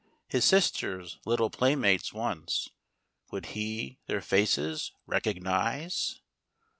His sisters, little playmates once, — Would he their faces recognize